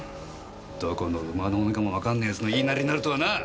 どこの馬の骨かもわかんない奴の言いなりになるとはな！